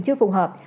chưa phù hợp